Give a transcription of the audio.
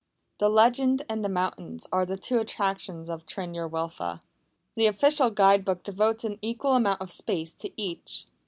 The legend and the mountains are the two attractions of Tryn yr Wylfa the official guidebook devotes an equal amount of space to each.